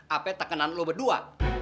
apa tak kenal lo berdua